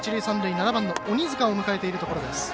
７番の鬼塚を迎えているところです。